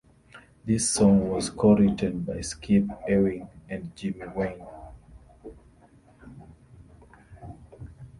This song was co-written by Skip Ewing and Jimmy Wayne.